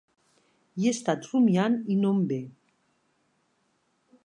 Hi he estat rumiant i no em ve.